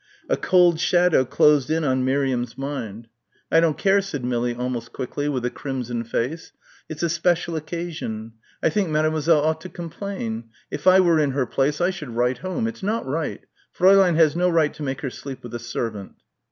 A cold shadow closed in on Miriam's mind. "I don't care," said Millie almost quickly, with a crimson face. "It's a special occasion. I think Mademoiselle ought to complain. If I were in her place I should write home. It's not right. Fräulein has no right to make her sleep with a servant."